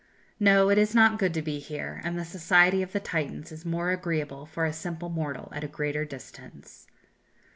No, it is not good to be here, and the society of the Titans is more agreeable for a simple mortal at a greater distance!...